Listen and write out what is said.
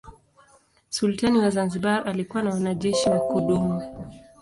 Sultani wa Zanzibar alikuwa na wanajeshi wa kudumu.